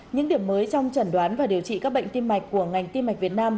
những điểm mới trong trần đoán và điều trị các bệnh tim mạch của ngành tim mạch việt nam